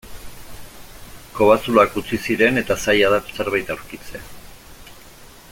Kobazuloak utzi ziren eta zaila da zerbait aurkitzea.